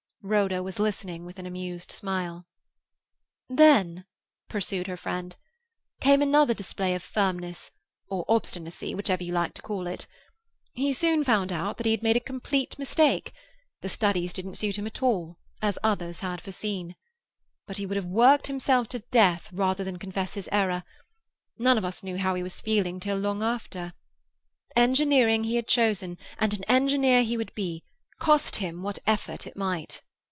Rhoda was listening with an amused smile. "Then," pursued her friend, "came another display of firmness or obstinacy, whichever you like to call it. He soon found out that he had made a complete mistake. The studies didn't suit him at all, as others had foreseen. But he would have worked himself to death rather than confess his error; none of us knew how he was feeling till long after. Engineering he had chosen, and an engineer he would be, cost him what effort it might.